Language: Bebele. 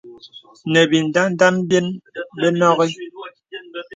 Nə̀ bìndandan byen bə nɔghi.